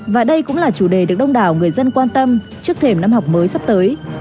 và đây cũng là chủ đề được đông đảo người dân quan tâm trước thềm năm học mới sắp tới